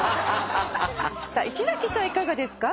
さあ石崎さんいかがですか？